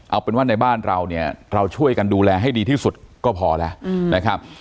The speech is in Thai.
เอาเป็นว่าในบ้านเราเนี่ยเราช่วยกันดูแลให้ดีที่สุดก็พอแล้วนะครับ